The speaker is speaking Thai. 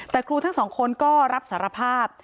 แต่ครูทั้งสองคนก็รับสารภาพ